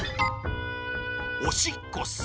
おしっこっす。